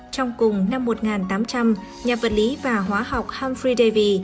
trong cùng năm một nghìn tám trăm linh nhà vật lý và hóa học humphrey davy